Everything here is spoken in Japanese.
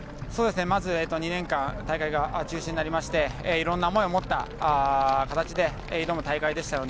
まず２年間大会が中止になりましていろいろな思いを持った形で挑む大会でしたので